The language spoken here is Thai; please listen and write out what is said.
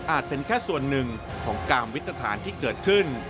เป็นแค่ส่วนหนึ่งของกามวิตรฐานที่เกิดขึ้น